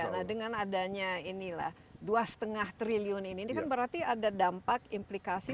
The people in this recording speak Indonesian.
nah dengan adanya ini lah dua lima triliun ini kan berarti ada dampak implikasi